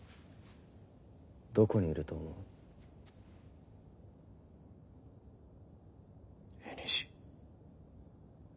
どこにいると思う？縁。